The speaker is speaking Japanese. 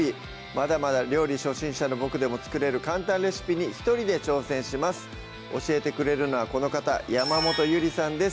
まだまだ料理初心者のボクでも作れる簡単レシピに一人で挑戦します教えてくれるのはこの方山本ゆりさんです